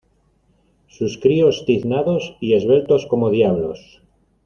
sus críos, tiznados y esbeltos como diablos